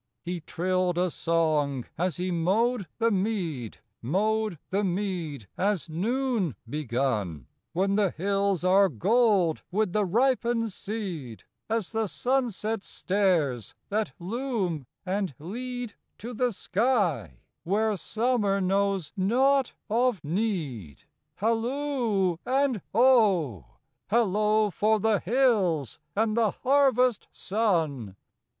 II. He trilled a song as he mowed the mead, Mowed the mead as noon begun: "When the hills are gold with the ripened seed, As the sunset stairs that loom and lead To the sky where Summer knows naught of need, Halloo and oh! Hallo for the hills and the harvest sun!"